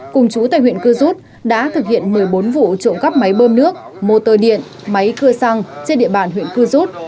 cùng chú tại huyện cư rút đã thực hiện một mươi bốn vụ trộm cắp máy bơm nước motor điện máy cưa xăng trên địa bàn huyện cư rút